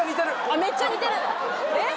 「あっめっちゃ似てる！えっ？」